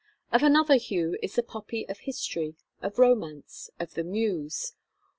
Of another hue is the poppy of history, of romance, of the muse.